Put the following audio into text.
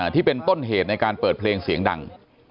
ที่เป็นต้นเหตุในการเปิดเพลงเสียงดัง